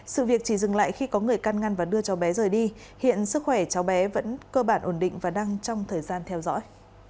sự việc chỉ dừng lại khi có người căn ngăn và đưa cháu bé rời đi hiện sức khỏe cháu bé vẫn cơ bản ổn định và đang trong thời gian theo dõi